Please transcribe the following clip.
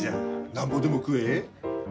なんぼでも食え。